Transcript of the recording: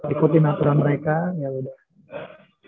ikutin aturan mereka yaudah